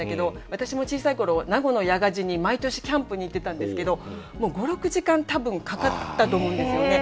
私も小さい頃名護の屋我地に毎年キャンプに行ってたんですけどもう５６時間多分かかったと思うんですよね。